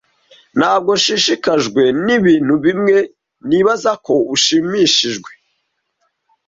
Ntabwo nshishikajwe nibintu bimwe nibaza ko ushimishijwe.